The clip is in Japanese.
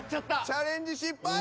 チャレンジ失敗。